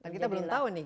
kita belum tahu nih